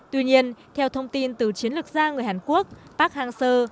tuy nhiên theo thông tin từ chiến lược gia người hàn quốc park hang seo